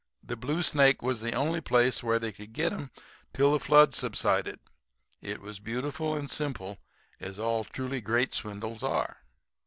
The Blue Snake was the only place where they could get 'em till the flood subsided. It was beautiful and simple as all truly great swindles are.